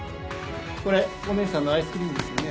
これお姉さんのアイスクリームですよね？